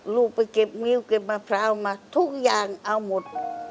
ลูกไปเก็บงิ้วเก็บมะพร้าวมาทุกอย่างเอาหมด